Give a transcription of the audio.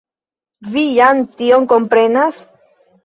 Vi jam tion komprenas?